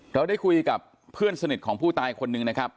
เราได้คุยกับเพื่อนสนิทของผู้ตายคนหนึ่งนะครับ